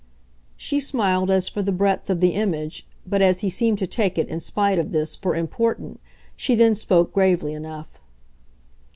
She smiled as for the breadth of the image, but, as he seemed to take it, in spite of this, for important, she then spoke gravely enough.